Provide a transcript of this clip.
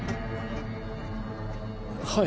はい。